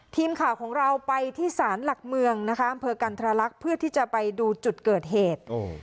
ทีมข่าวของเราไปที่ศาลหลักเมืองนะคะอำเภอกันทรลักษณ์เพื่อที่จะไปดูจุดเกิดเหตุ